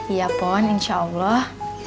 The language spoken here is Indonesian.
iya pon insya allah